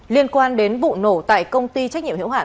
liên quan đến vụ nổ tại công ty trách nhiệm hiệu hạn